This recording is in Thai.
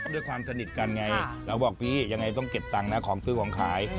ด้วยความสนิทกันไงแล้วบอกพี่ยังไงต้องเก็บตังค์นะของซื้อของขาย